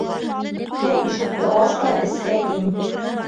Шул ишекте ас та эскә ин.